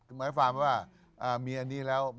หมายความว่ามีอันนี้แล้ว